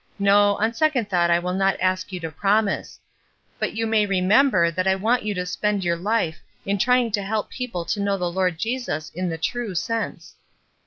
No, on second thought I will not ask you to promise ; but you may remember that I want you to spend your life in trying to help people to know the Lord Jesus in the true sense."